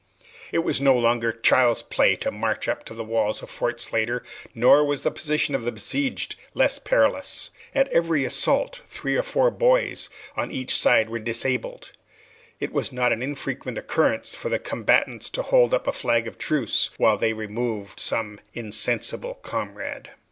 It was no longer child's play to march up to the walls of Fort Slatter, nor was the position of the besieged less perilous. At every assault three or four boys on each side were disabled. It was not an infrequent occurrence for the combatants to hold up a flag of truce while they removed some insensible comrade.